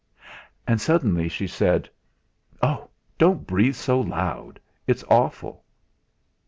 And suddenly she said: "Oh! don't breathe so loud; it's awful!"